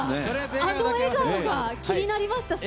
あの笑顔が気になりました。